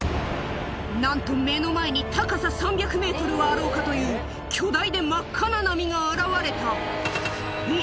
なんと目の前に、高さ３００メートルはあろうかという巨大で真っ赤な波が現れた。